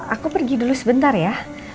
aku pergi dulu sebentar ya